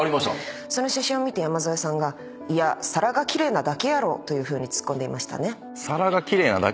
その写真を見て山添さんが「いや皿がキレイなだけやろ」とツッコんでいましたね。